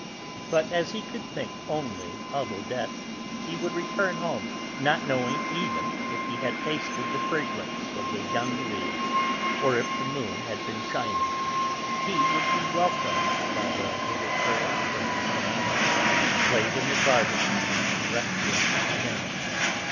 But as he could think only of Odette, he would return home not knowing even if he had tasted the fragrance of the young leaves, or if the moon had been shining. He would be welcomed by the little phrase from the sonata, played in the garden on the restaurant piano.